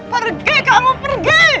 pergi kamu pergi